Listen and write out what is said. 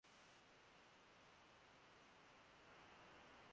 এমন ঘুরতে ঘুরতে হঠাৎ একদিন দেখা হয়ে গেল পাগলাটে পরিচালক অনুরাগ কাশ্যপের সঙ্গে।